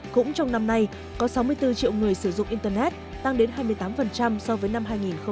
cũng trong năm nay có sáu mươi bốn triệu người sử dụng internet tăng đến hai mươi tám so với năm hai nghìn một mươi tám